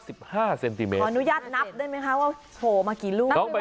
ขออนุญาตนับได้ไหมคะว่าโผล่มากี่ลูก